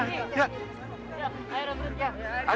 aduh airnya berhenti